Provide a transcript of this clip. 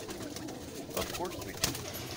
Of course we do.